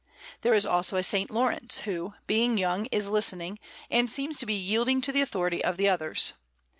There is also a S. Laurence, who, being young, is listening, and seems to be yielding to the authority of the others.